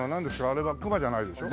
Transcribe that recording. あれは熊じゃないでしょ？